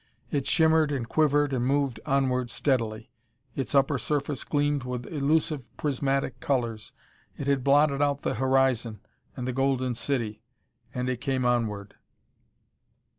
It shimmered and quivered and moved onward steadily. Its upper surface gleamed with elusive prismatic colors. It had blotted out the horizon and the Golden City, and it came onward....